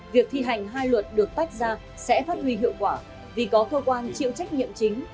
việc thi hành hai luật được tách ra sẽ phát huy hiệu quả vì có cơ quan chịu trách nhiệm chính